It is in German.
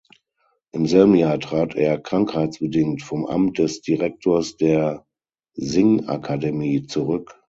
Im selben Jahr trat er krankheitsbedingt vom Amt des Direktors der Singakademie zurück.